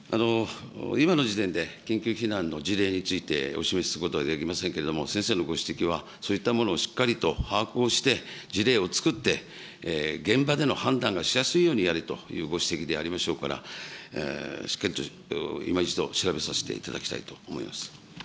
今の時点で、緊急避難の事例についてお示しすることはできませんけれども、先生のご指摘は、そういったものをしっかりと把握をして、事例を作って、現場での判断がしやすいようにやれというご指摘でありましょうから、しっかりといま一度、調べさせていただきたいと思います。